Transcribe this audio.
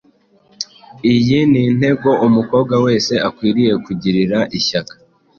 Iyi ni intego umukobwa wese akwiriye kugirira ishyaka.